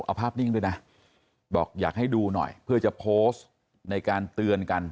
เอาภาพนิ่งด้วยนะบอกอยากให้ดูหน่อยเพื่อจะโพสต์ในการเตือนกัน